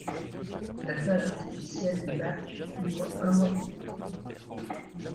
La plage artificielle du lac ouvre un mois plus tard.